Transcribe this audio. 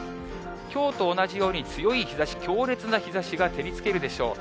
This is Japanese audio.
きょうと同じように強い日ざし、強烈な日ざしが照りつけるでしょう。